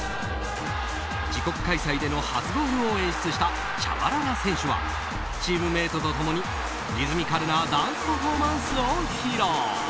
自国開催での初ゴールを演出したチャバララ選手はチームメートと共にリズミカルなダンスパフォーマンスを披露。